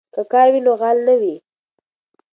که کار وي نو غال نه وي.